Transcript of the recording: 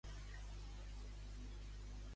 I de quina província és?